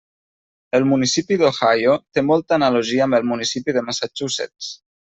El municipi d'Ohio té molta analogia amb el municipi de Massachusetts.